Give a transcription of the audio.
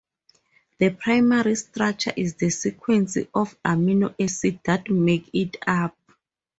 The "primary structure" is the sequence of amino acids that make it up.